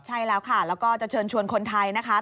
ใช่แล้วค่ะแล้วก็จะเชิญชวนคนไทยนะคะ